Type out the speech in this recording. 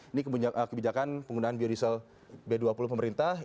ini kebijakan penggunaan biodiesel b dua puluh pemerintah